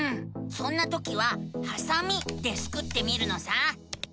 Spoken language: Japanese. そんなときは「はさみ」でスクってみるのさ！